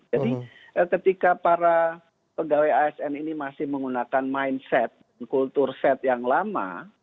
jadi ketika para pegawai asn ini masih menggunakan mindset kultur set yang lama